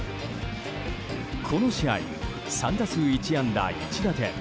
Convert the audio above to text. この試合、３打数１安打１打点。